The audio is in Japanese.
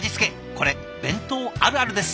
これ弁当あるあるです。